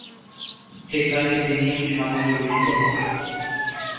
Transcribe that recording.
এখানে তিনি সাদরে গৃহীত হন।